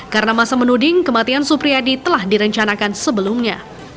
karena masa menuding kematian supriyadi telah direncanakan sebelumnya